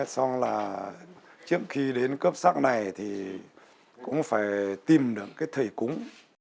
xong là trước khi đến cấp sắc này thì cũng phải tìm được cái thầy cúng